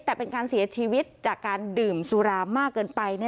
แต่เป็นการเสียชีวิตจากการดื่มสุรามากเกินไป